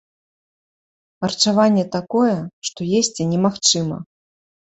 Харчаванне такое, што есці немагчыма.